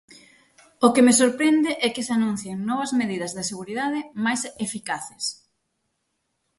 O que me sorprende é que se anuncien novas medidas de seguridade, máis eficaces.